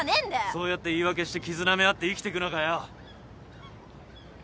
そうやって言い訳して傷なめ合って生きてくのかよ。